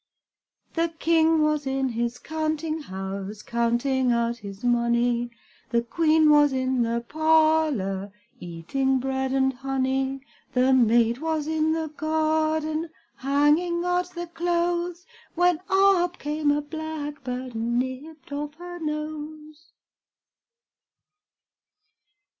The King was in his counting house, Counting out his money; The Queen was in the parlor, Eating bread and honey; The maid was in the garden Hanging out the clothes; When up came a blackbird, And nipped off her nose.